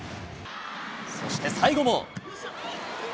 そして最後も。